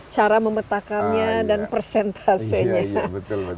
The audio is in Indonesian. cara memetakannya dan persentasenya